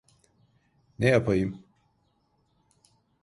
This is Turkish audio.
Ne yapayım?